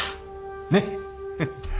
ねっ。